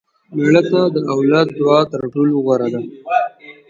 مړه ته د اولاد دعا تر ټولو غوره ده